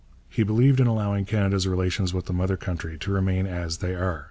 He believed in allowing Canada's relations with the mother country to remain as they are.